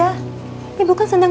ya bukan sendang sendang